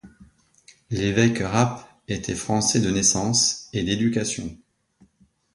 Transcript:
L'évêque Rappe était Français de naissance et d'éducation.